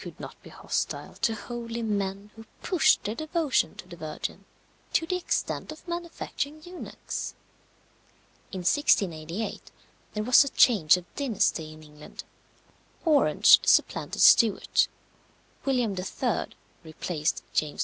could not be hostile to holy men who pushed their devotion to the Virgin to the extent of manufacturing eunuchs. In 1688 there was a change of dynasty in England: Orange supplanted Stuart. William III. replaced James II.